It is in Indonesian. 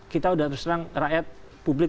kita sudah terserang rakyat publik